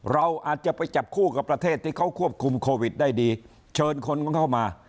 เราอาจจะไปจับคู่กับประเทศที่เขาควบคุมโควิดได้ดีเชิญคนของเขามา